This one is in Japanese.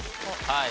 はい。